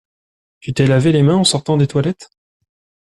Tu t'es lavé les mains en sortant des toilettes?